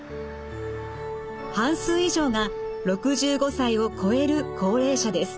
半数以上が６５歳を越える高齢者です。